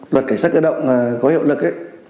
luật cảnh sát cơ động có hiệu lực